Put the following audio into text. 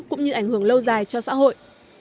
cũng như ảnh hưởng lâu dài cho xã hội